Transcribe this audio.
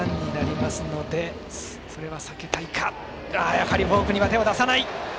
やはりフォークには手を出さない。